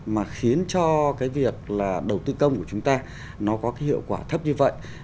mà khiến cho cái việc là đầu tư công của chúng ta nó có cái hiệu quả thấp như vậy